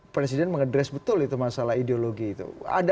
presiden meng address betul itu masalah ideologi itu